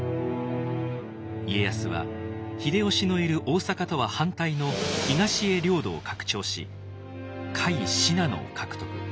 家康は秀吉のいる大阪とは反対の東へ領土を拡張し甲斐信濃を獲得。